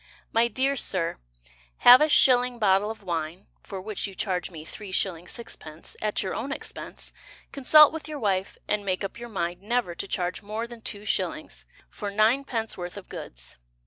My dear Sir, Have a shilling bottle of wine (For which you charge me 3s. 6d.) At your own expense, Consult with your wife, And make up your mind Never to charge More than 2s. For 9d. worth of goods.